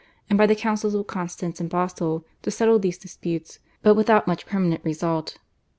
and by the Councils of Constance and Basle to settle these disputes, but without much permanent result.